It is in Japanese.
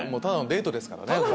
ただのデートですからね。